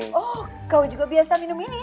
oh kau juga biasa minum ini